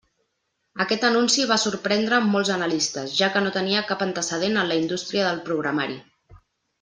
Aquest anunci va sorprendre molts analistes, ja que no tenia cap antecedent en la indústria del programari.